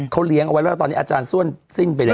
เขาเลี้ยงออกเลยถอนนี้อาจารย์ส้วนตรงไปแล้ว